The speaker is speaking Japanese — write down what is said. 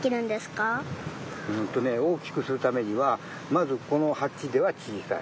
うんとね大きくするためにはまずこのはちではちいさい。